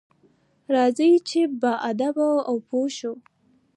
راځئ چې باادبه او پوه شو.